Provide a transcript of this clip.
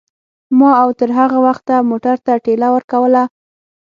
ما او تر هغه وخته موټر ته ټېله ورکوله.